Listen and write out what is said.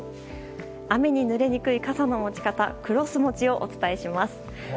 雨にぬれにくい傘の持ち方クロス持ちをお伝えします。